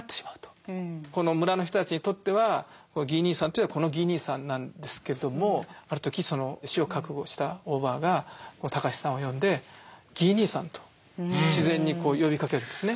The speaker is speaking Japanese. この村の人たちにとってはギー兄さんといえばこのギー兄さんなんですけどもある時死を覚悟したオーバーが隆さんを呼んで「ギー兄さん」と自然に呼びかけるんですね。